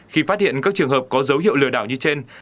khi phát hiện các trường hợp có dấu hiệu lừa đảo như trên